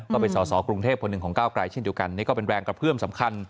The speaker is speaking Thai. ก็เป็นสอสอกรุงเทพคนหนึ่งของก้าวกลายเช่นเดียวกันนี่ก็เป็นแรงกระเพื่อมสำคัญ